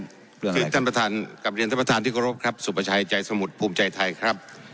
ซึ่งท่านประธานกลับเรียนท่านประธานที่เคารพครับสุประชัยใจสมุทรภูมิใจไทยครับ